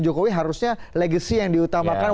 jokowi harusnya legacy yang diutamakan